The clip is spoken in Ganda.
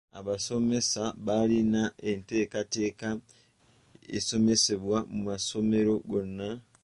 Abasomesa balina enteekateeka y’ebisomesebwa mu masomero gonna.